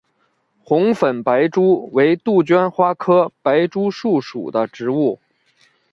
红粉白珠为杜鹃花科白珠树属的植物。